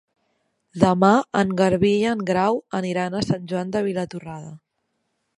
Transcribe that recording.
Demà en Garbí i en Grau aniran a Sant Joan de Vilatorrada.